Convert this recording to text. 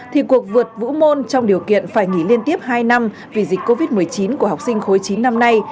thì cuộc vượt vũ môn trong điều kiện phải nghỉ liên tiếp hai năm vì dịch covid một mươi chín của học sinh khổ nhất